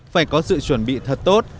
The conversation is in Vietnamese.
phải có sự chuẩn bị thật tốt